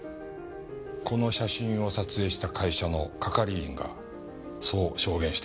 この写真を撮影した会社の係員がそう証言しています。